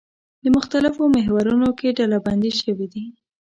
د مختلفو محورونو کې ډلبندي شوي دي.